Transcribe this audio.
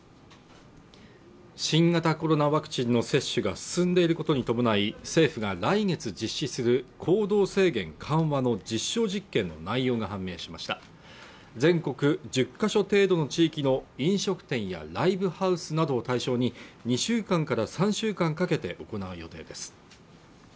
新型コロナワクチンの接種が進んでいることに伴い政府が来月実施する行動制限緩和の実証実験の内容が判明しました全国１０か所程度の地域の飲食店やライブハウスなどを対象に２週間から３週間かけて行う予定です